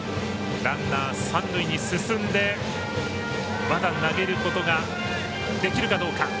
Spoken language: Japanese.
ランナー、三塁に進んでまだ投げることができるかどうか。